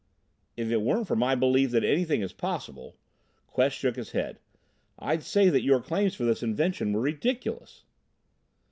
"If it weren't for my belief that anything is possible," Quest shook his head, "I'd say that your claims for this invention were ridiculous."